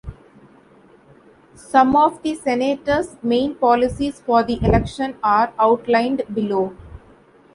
Some of the senator's main policies for the election are outlined below.